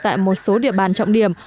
tại một số địa bàn trọng điểm